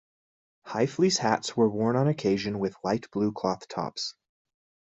High fleece hats were worn on occasion with light blue cloth tops.